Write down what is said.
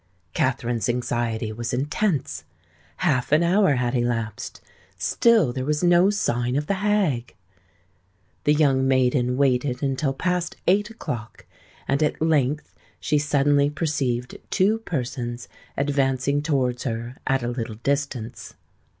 Katherine's anxiety was intense. Half an hour had elapsed: still there was no sign of the hag. The young maiden waited until past eight o'clock; and at length she suddenly perceived two persons advancing towards her at a little distance.